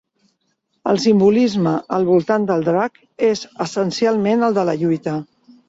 El simbolisme al voltant del drac és essencialment el de la lluita.